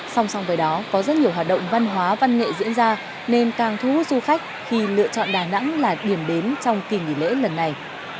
song song với đó có rất nhiều hoạt động văn hóa văn nghệ diễn ra nên càng thu hút du khách khi lựa chọn đà nẵng là điểm đến trong kỳ nghỉ lễ lần này